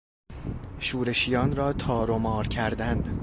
شورشیان را تار و مار کردن